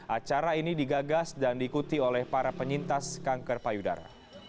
acara ini digagas dan diikuti oleh para penyintas kanker payudara